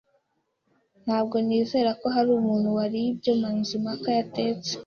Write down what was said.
Ntabwo nizera ko hari umuntu wariye ibyo Mazimpaka yatetse.